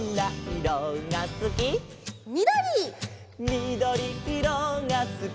「みどりいろがすき」